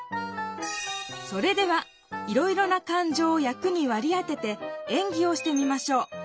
それではいろいろな感情を役にわり当てて演技をしてみましょう。